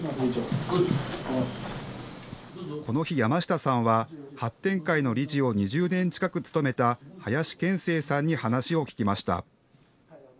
この日、山下さんは発展会の理事を２０年近く務めた林兼正さんに話を聞きました。